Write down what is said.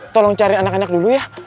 tolong cari anak anak dulu ya